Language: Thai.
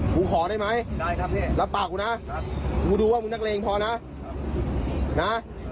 คุณขอได้ไหมรับปากกูนะคุณดูว่ามึงนักเลงพอนะนะ